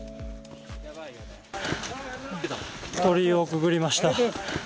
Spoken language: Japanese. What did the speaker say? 鳥居をくぐりました。